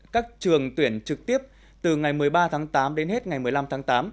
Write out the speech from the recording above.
các trường tuyển trực tiếp từ ngày một mươi ba tháng tám đến hết ngày một mươi năm tháng tám